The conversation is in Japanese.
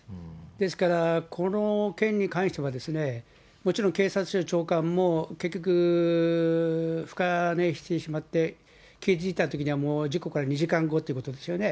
ですから、この件に関しては、もちろん警察庁長官も結局、深寝してしまって、気付いたときにはもう事故から２時間後っていうことですよね。